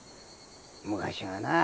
昔はな